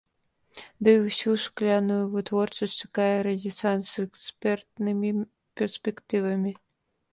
Дый усю шкляную вытворчасць чакае рэнесанс з экспартнымі перспектывамі.